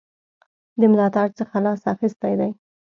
د ملاتړ څخه لاس اخیستی دی.